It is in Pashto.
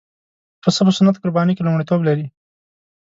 پسه په سنت قربانۍ کې لومړیتوب لري.